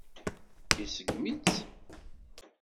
Iseggem-itt.